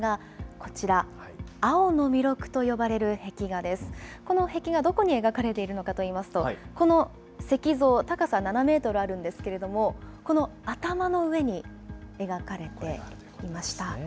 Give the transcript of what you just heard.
この壁画、どこに描かれているのかといいますと、この石像、高さ７メートルあるんですけれども、この頭の上に描かれていました。